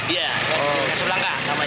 iya di kasab langka